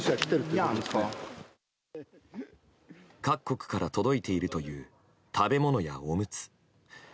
各国から届いているという食べ物や、おむつ。